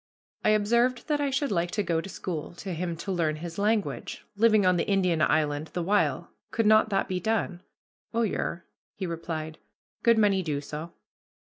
I observed that I should like to go to school to him to learn his language, living on the Indian island the while; could not that be done? "Oh, yer," he replied, "good many do so."